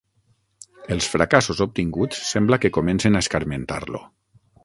Els fracassos obtinguts sembla que comencen a escarmentar-lo.